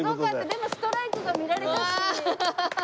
でもストライクが見られたし。